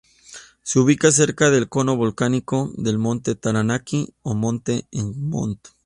Se ubica cerca del cono volcánico del monte Taranaki o monte Egmont.